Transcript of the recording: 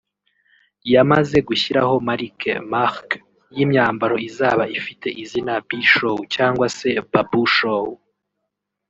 yamaze gushyiraho marike (marque) y’imyambaro izaba ifite izina B-Show cyangwa se Babou Show